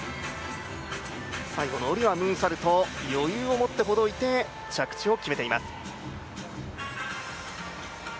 最後の下りはムーンサルト余裕を持ってほどいて着地を決めています。